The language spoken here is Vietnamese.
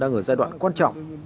đang ở giai đoạn quan trọng